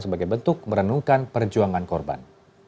sebagai bentuk merenungkan perjuangan korban